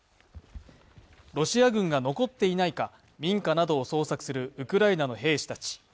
ロシア軍が残っていないか民家などを捜索するウクライナの兵士たち。